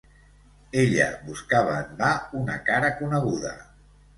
Ella buscava en va una cara coneguda.